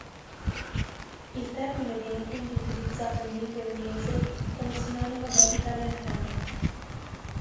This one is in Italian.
Il termine viene quindi utilizzato in lingua inglese come sinonimo di "Italian ham".